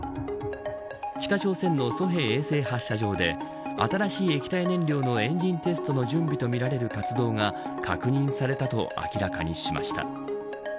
北朝鮮の西海衛星発射場で新しい液体燃料のエンジンテストの準備とみられる活動が確認されたと明らかにしました。